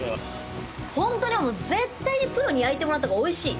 ほんとに絶対にプロに焼いてもらったほうがおいしい。